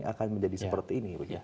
akan menjadi seperti ini